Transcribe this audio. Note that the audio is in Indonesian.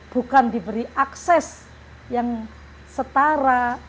bukan diberi akses yang setara